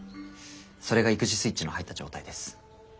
それが育児スイッチの入った状態です。